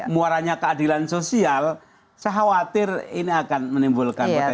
muaranya keadilan sosial saya khawatir ini akan menimbulkan potensi